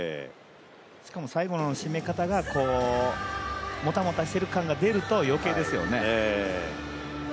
しかも最後の締め方がもたもたしている感が出ると余計ですよね。